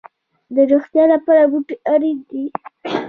د روغتیا لپاره بوټي اړین دي